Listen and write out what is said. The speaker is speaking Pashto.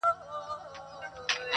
ورور ځان ته سزا ورکوي تل,